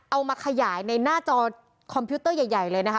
เอามาขยายในหน้าจอคอมพิวเตอร์ใหญ่เลยนะคะ